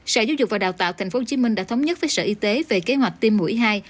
sở giáo dục và đào tạo tp hcm đã thống nhất với sở y tế về kế hoạch tiêm mũi hai